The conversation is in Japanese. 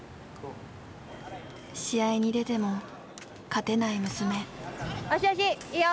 試合に出ても勝てない娘。